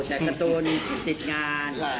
ใช้การ์ตูติดงาน